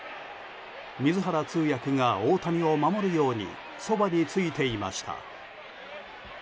水原通訳が大谷を守るようにそばについていました。